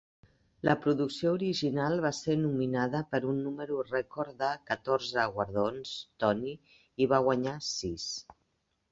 La producció original va ser nominada per un número record de catorze guardons Tony, i va guanyar sis.